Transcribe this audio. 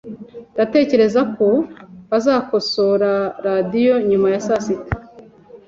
Ndatekereza ko bazakosora radio nyuma ya saa sita .